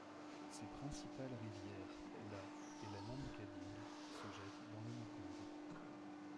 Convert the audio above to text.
Ses principales rivières, la et la Nam Kadding, se jettent dans le Mékong.